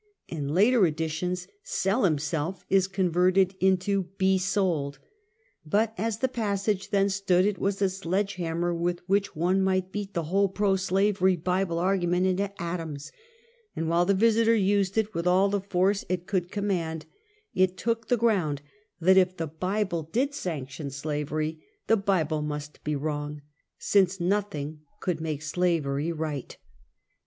In later editions, " sell himself" is converted into "be sold," but as the passage then stood it was a sledge hammer with which one might beat the whole pro slavery Bible argument into atoms, and while the Visiter used it with all the force it could command, it took the gronnd that if the Bible did sanction slavery, the Bible must be wrong, since nothing could make slavery right.